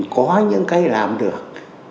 có những cái làm được